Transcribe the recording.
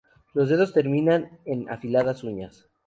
Los dedos terminan en afiladas uñas.